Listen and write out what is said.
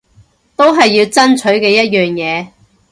都係要爭取嘅一樣嘢